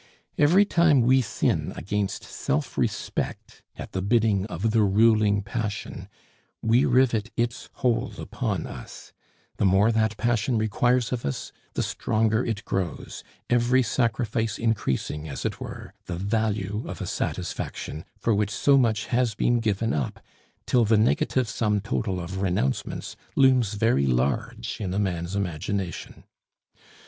Every time we sin against self respect at the bidding of the ruling passion, we rivet its hold upon us; the more that passion requires of us, the stronger it grows, every sacrifice increasing, as it were, the value of a satisfaction for which so much has been given up, till the negative sum total of renouncements looms very large in a man's imagination.